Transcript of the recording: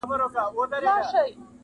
اسره مي خدای ته وه بیا تاته-